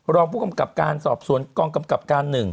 รองผู้กำกับการสอบสวนกองกำกับการ๑